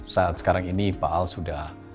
saat sekarang ini pak al sudah